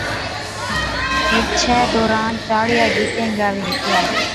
ايڇَي دوران چاڙِيا گيتين گاوي ھِتِيا